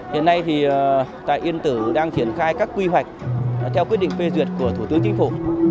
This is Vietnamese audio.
hiện nay tại yên tử đang triển khai các quy hoạch theo quyết định phê duyệt của thủ tướng chính phủ